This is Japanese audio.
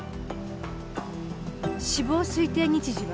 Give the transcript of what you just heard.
死亡推定日時は？